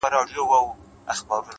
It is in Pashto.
هره ورځ نوی امکان لري’